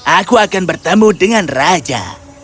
aku akan bertemu dengan raja